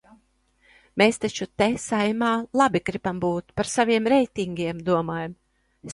Mēs taču te, Saeimā, labi gribam būt, par saviem reitingiem domājam.